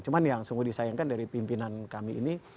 cuma yang sungguh disayangkan dari pimpinan kami ini